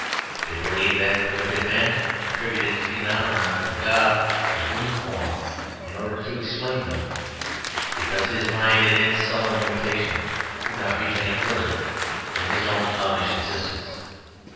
They believe that primitive men attributed phenomena to a god in human form in order to explain them, because his mind in its sullen limitation could not reach any further than his own clownish existence.